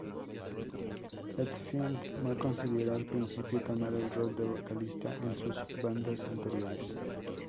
Hetfield no consideró al principio tomar el rol de vocalista en sus bandas anteriores.